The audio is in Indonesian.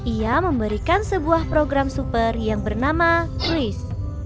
ia memberikan sebuah program super yang bernama chris